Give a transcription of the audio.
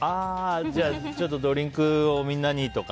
じゃあ、ドリンクをみんなにとか？